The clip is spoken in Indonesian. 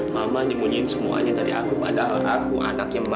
mama sembunyiin semuanya dari aku padahal aku anaknya mama